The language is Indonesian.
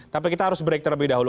tapi kita harus break terlebih dahulu